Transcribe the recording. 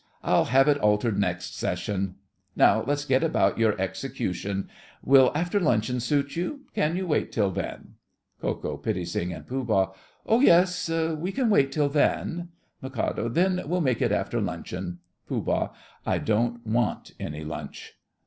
I'll have it altered next session. Now, let's see about your execution—will after luncheon suit you? Can you wait till then? KO., PITTI., and POOH. Oh, yes—we can wait till then! MIK. Then we'll make it after luncheon. POOH. I don't want any lunch.